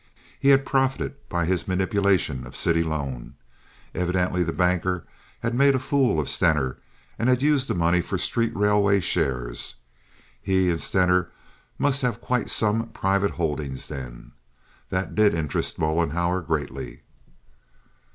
He had profited by his manipulation of city loan. Evidently the banker had made a fool of Stener, and had used the money for street railway shares! He and Stener must have quite some private holdings then. That did interest Mollenhauer greatly.